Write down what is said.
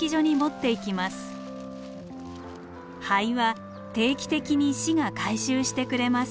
灰は定期的に市が回収してくれます。